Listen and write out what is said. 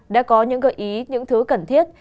đã có những gợi ý những thứ cần thiết